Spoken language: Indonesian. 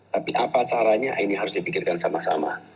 tapi apa caranya ini harus dipikirkan sama sama